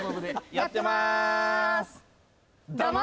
やってます